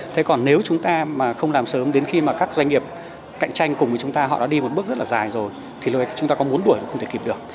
thế còn nếu chúng ta mà không làm sớm đến khi mà các doanh nghiệp cạnh tranh cùng với chúng ta họ đã đi một bước rất là dài rồi thì chúng ta có muốn đuổi nó không thể kịp được